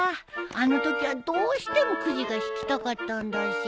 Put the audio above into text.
あのときはどうしてもくじが引きたかったんだし。